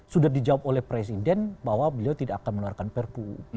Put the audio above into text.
sudah dijawab oleh presiden bahwa beliau tidak akan mengeluarkan perpu